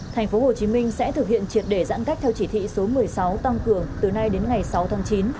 thành phố hồ chí minh sẽ thực hiện triệt để giãn cách theo chỉ thị số một mươi sáu tăng cường từ nay đến ngày sáu tháng chín